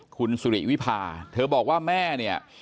คุณสุริวิพาเธอบอกว่าแม่เนี่ย